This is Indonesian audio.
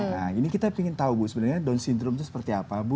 nah ini kita ingin tahu bu sebenarnya down syndrome itu seperti apa bu